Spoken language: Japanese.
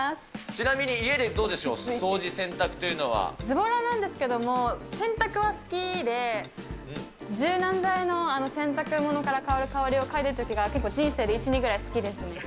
ちなみに家でどうでしょう、ずぼらなんですけども、洗濯は好きで、柔軟剤の洗濯物から香る香りを嗅いでいるときが結構人生で１、２ぐらいで好きです。